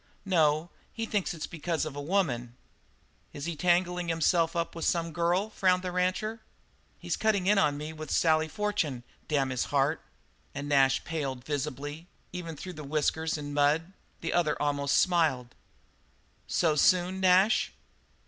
"No, he thinks it's because of a woman." "Is he tangling himself up with some girl?" frowned the rancher. "He's cutting in on me with Sally Fortune damn his heart!" And Nash paled visibly, even through whiskers and mud. The other almost smiled. "So soon, Nash?"